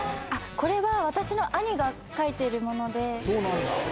これは、私の兄が描いてるもそうなんだ？